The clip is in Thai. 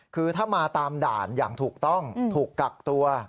คือถ้ามาตามด่านอย่างถูกต้องถูกกักตัว